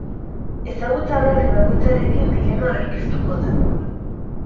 Ezagutza berri bakoitzarekin dilema berpiztuko da.